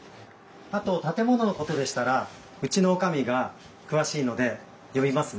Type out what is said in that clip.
あと建物のことでしたらうちの女将が詳しいので呼びますね。